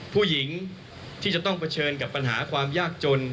ผู้หญิงที่จะต้องเผชิญกับปัญหาความยากจน